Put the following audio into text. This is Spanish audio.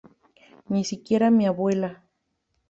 Ni siquiera mi abuela.